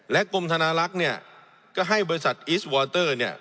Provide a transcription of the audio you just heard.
กรมธนาลักษณ์เนี่ยก็ให้บริษัทอิสวอเตอร์เนี่ย